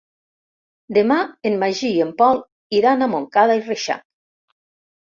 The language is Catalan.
Demà en Magí i en Pol iran a Montcada i Reixac.